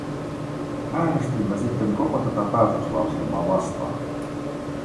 Äänestimme siten koko tätä päätöslauselmaa vastaan.